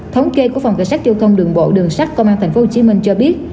thống kê của phòng cảnh sát giao thông đường bộ đường sát công an tp hcm cho biết